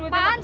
sisi lu teman